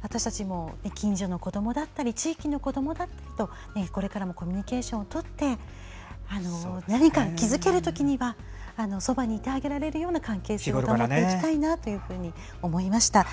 私たちも近所の子どもだったり地域の子どもたちと、これからもコミュニケーションをとって何か気付けるときにはそばにいてあげられるような関係性を築いていきたいと思いました。